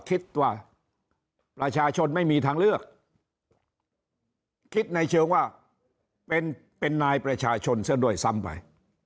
คิดว่าประชาชนไม่มีทางเลือกคิดในเชิงว่าเป็นนายประชาชนซะด้วยซ้ำไป